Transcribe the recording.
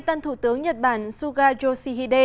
tân thủ tướng nhật bản suga yoshihide